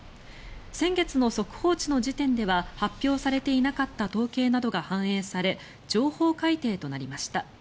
先月の速報値の時点では発表されていなかった統計などが反映され上方改定となりました。